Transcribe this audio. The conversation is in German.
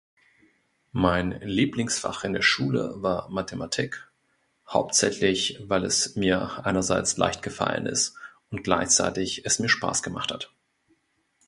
Mein Lieblingsfach in der Schule war Mathematik, hauptsächlich weil es mir einerseits leicht gefallen ist und gleichzeitig es mir Spaß gemacht hat.